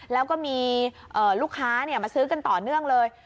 แล้วก็มีลูกค้ามาซื้อกันต่อเนื่องเลย